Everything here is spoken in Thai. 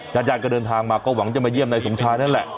ญาติญาติก็เดินทางมาก็หวังจะมาเยี่ยมนายสมชายนั่นแหละ